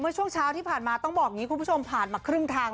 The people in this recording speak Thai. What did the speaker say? ช่วงเช้าที่ผ่านมาต้องบอกอย่างนี้คุณผู้ชมผ่านมาครึ่งทาง